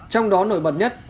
trong đó nổi bật nhất